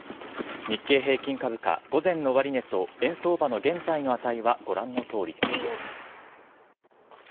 日経平均株価、午前の終値と、円相場の現在の値はご覧のとおりです。